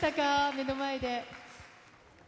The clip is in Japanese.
目の前で。